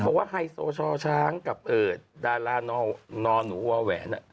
เพราะว่าไฮโซชอช้างกับดารานอนวาแหวน